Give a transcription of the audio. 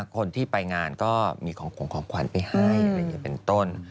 คนที่ไปงานก็มีของขวัญไปให้อะไรอย่างนี้เป็นต้น